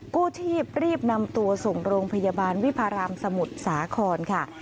กู้ชีพรีบนำตัวส่งโรงพยาบาลวิพารามสมุทรสาครค่ะ